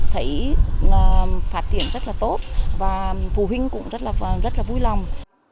thấy phát triển rất là tốt và phụ huynh cũng rất là vui lòng